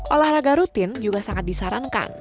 olahraga rutin juga sangat disarankan